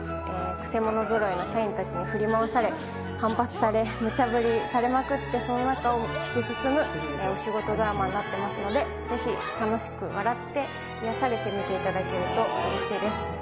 くせ者ぞろいの社員たちに振り回され、反発され、むちゃぶりされまくってその中を突き進むお仕事ドラマになってますので、ぜひ楽しく笑って癒やされてみていただけると、うれしいです。